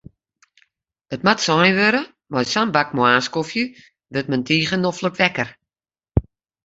It moat sein wurde, mei sa'n bak moarnskofje wurdt men tige noflik wekker.